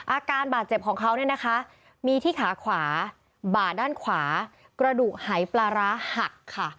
อาการบาดเจ็บของเขาเนี่ยนะคะมีที่ขาขวาบ่าด้านขวากระดูกหายปลาร้าหักค่ะ